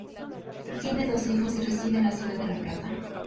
Tiene dos hijos y reside en la ciudad de La Plata.